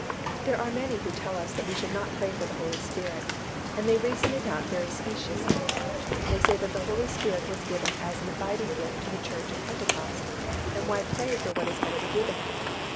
There are many who tell us that we should not pray for the Holy Spirit, and they reason it out very speciously. They say that the Holy Spirit was given as an abiding gift to the church at Pentecost, and why pray for what is already given?